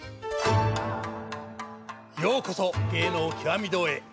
ようこそ「芸能きわみ堂」へ。